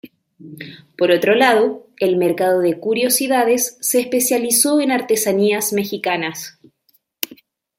Por otro lado, el mercado de curiosidades se especializó en artesanías mexicanas.